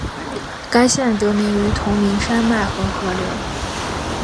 该县得名于同名山脉和河流。